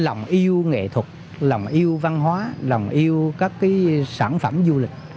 lòng yêu nghệ thuật lòng yêu văn hóa lòng yêu các sản phẩm du lịch